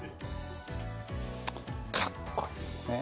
かっこいいねえ！